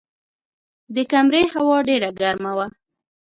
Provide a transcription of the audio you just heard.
د کمرې هوا ډېره ګرمه وه.